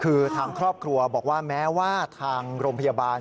คือทางครอบครัวบอกว่าแม้ว่าทางโรงพยาบาล